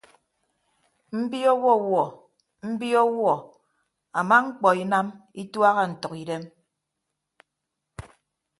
Mbi ọwọwuọ mbi ọwuọ ama mkpọ inam ituaha ntʌkidem.